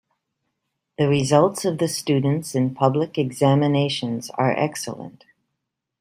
The results of the students in public examinations are excellent.